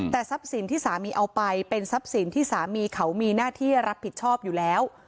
แต่ทรัพย์สินที่สามีเอาไปเป็นทรัพย์สินที่สามีเขามีหน้าที่รับผิดชอบอยู่แล้ว